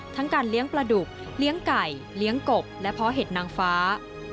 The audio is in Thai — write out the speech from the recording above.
ทั้งการเลี้ยงปลาดุกเลี้ยงไก่เลี้ยงกบและเพาะเห็ดนางฟ้า